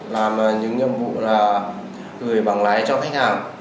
làm những nhiệm vụ là gửi bằng lái cho khách hàng